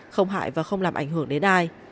không hại và không làm ảnh hưởng đến ai